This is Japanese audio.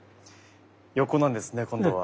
横なんですね今度は。